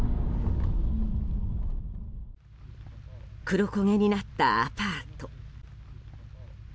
黒焦げになったアパート。